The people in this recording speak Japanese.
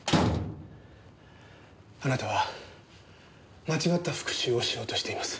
あなたは間違った復讐をしようとしています。